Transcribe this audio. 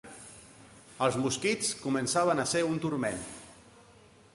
Els mosquits començaven a ser un turment